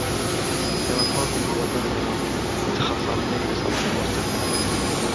كانا فاضل و دانية يتخاصمان بصوت مرتفع.